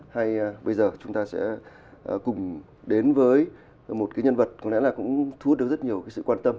hay bây giờ chúng ta sẽ cùng đến với một cái nhân vật có lẽ là cũng thu hút được rất nhiều cái sự quan tâm